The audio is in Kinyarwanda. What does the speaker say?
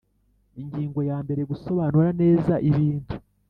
Ingingo yambere Gusobanura neza ibintu